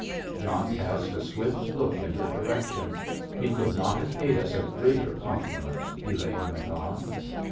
John cast a swift look in her direction. "He could not have paid us a greater compliment," Elaine went on.